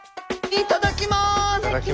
いただきます。